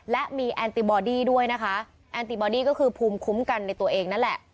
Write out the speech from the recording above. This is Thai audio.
และมีแอนติบอดี้ด้วยนะคะแอนติบอดี้ก็คือภูมิคุ้มกันในตัวเองนั่นแหละ